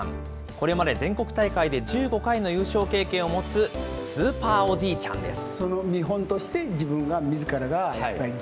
これまで全国大会で１５回の優勝経験を持つスーパーおじいちゃんです。